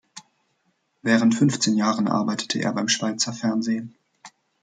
Während fünfzehn Jahren arbeitete er beim Schweizer Fernsehen.